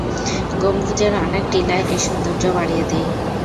গম্ভুজের অনেক টিলা এর সৌন্দর্য বাড়িয়ে দেয়।